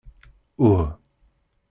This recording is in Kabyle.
Uh!